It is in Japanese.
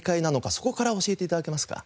そこから教えて頂けますか？